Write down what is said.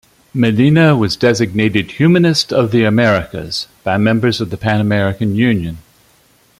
Medina was designated "Humanist of the Americas" by members of the Pan American Union.